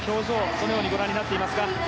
どのようにご覧になっていますか？